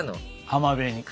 浜辺に？